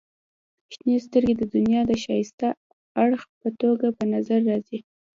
• شنې سترګې د دنیا د ښایسته اړخ په توګه په نظر راځي.